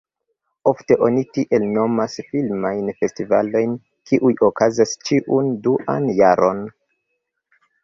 Ofte oni tiel nomas filmajn festivalojn, kiuj okazas ĉiun duan jaron.